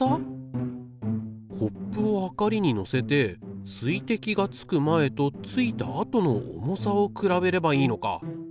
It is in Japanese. コップをはかりに載せて水滴がつく前とついた後の重さを比べればいいのか。